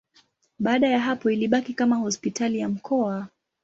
Baada ya hapo ilibaki kama hospitali ya mkoa.